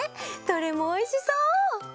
どれもおいしそう！